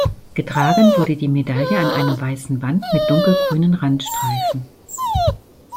Getragen wurde die Medaille an einem weißen Band mit dunkelgrünen Randstreifen.